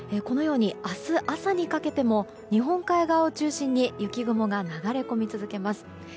このように明日朝にかけても日本海側を中心に雪雲が流れ込み続けます。